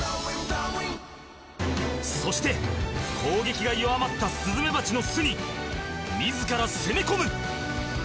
そして攻撃が弱まったスズメバチの巣に自ら攻め込む！